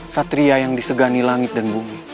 satria yang disegani langit dan bumi